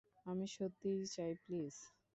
আমি সত্যিই চাই, প্লিজ।